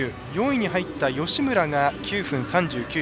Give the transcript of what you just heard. ４位に入った吉村が９分３９秒８６。